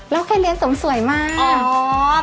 เราเคยเรียนเสริมสวยมาก